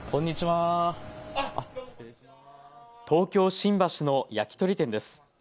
東京新橋の焼き鳥店です。